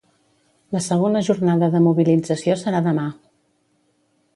La segona jornada de mobilització serà demà.